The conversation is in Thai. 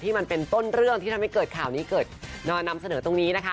มันเป็นต้นเรื่องที่ทำให้เกิดข่าวนี้เกิดมานำเสนอตรงนี้นะคะ